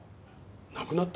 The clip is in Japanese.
亡くなった？